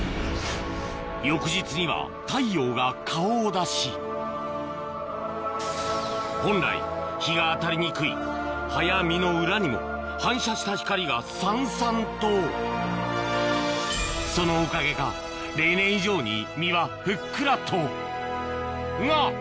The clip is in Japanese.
翌日には太陽が顔を出し本来日が当たりにくい葉や実の裏にも反射した光がさんさんとそのおかげか例年以上に実はふっくらとが！